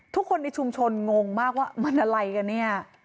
ทุกคนในชุมชนงงมากว่ามันอะไรกันเนี่ย